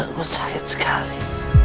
gue sakit sekali